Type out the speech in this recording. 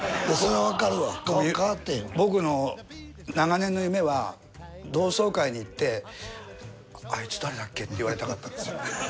僕の長年の夢は同窓会に行ってあいつ誰だっけ？って言われたかったんですよ。